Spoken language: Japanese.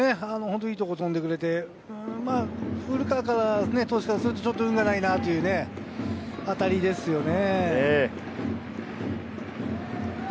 本当にいいところに飛んでくれて、古川投手からすると、ちょっと運がないなという当たりですよね。